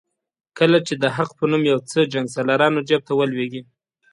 کله چې د حق په نوم یو څه جنګسالارانو جیب ته ولوېږي.